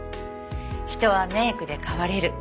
人はメイクで変われる。